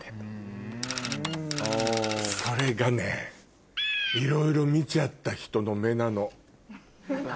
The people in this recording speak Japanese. それがねいろいろ見ちゃった人の目なの。